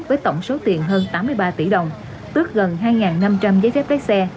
với tổng số tiền hơn tám mươi ba tỷ đồng tước gần hai năm trăm linh giấy phép lái xe